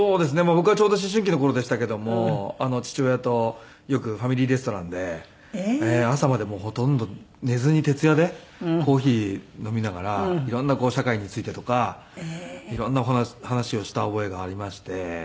僕がちょうど思春期の頃でしたけども父親とよくファミリーレストランで朝までほとんど寝ずに徹夜でコーヒー飲みながら色んなこう社会についてとか色んな話をした覚えがありまして。